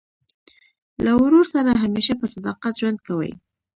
له ورور سره همېشه په صداقت ژوند کوئ!